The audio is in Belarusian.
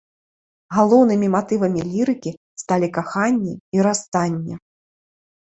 Галоўнымі матывамі лірыкі сталі каханне і расстанне.